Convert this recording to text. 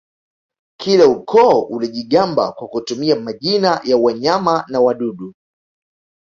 Kila ukoo ulijigamba kwa kutumia majina ya wanyama na wadudu